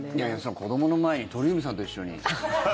子どもの前に鳥海さんと一緒に。